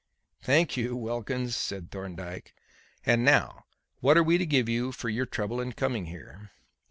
"Thank you, Wilkins," said Thorndyke. "And now what are we to give you for your trouble in coming here?"